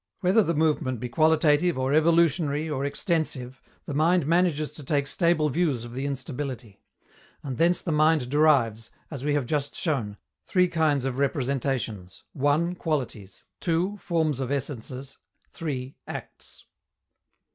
Whether the movement be qualitative or evolutionary or extensive, the mind manages to take stable views of the instability. And thence the mind derives, as we have just shown, three kinds of representations: (1) qualities, (2) forms of essences, (3) acts.